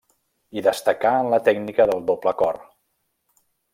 I destacà en la tècnica del doble cor.